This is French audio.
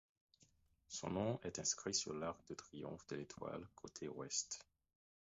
Son nom est inscrit sur l'Arc de triomphe de l'Étoile, côté Ouest.